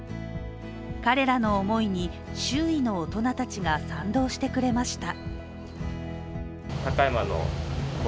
彼らの思いに周囲の大人たちが賛同してくれました。